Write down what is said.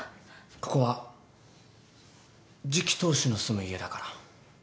ここは次期当主の住む家だから。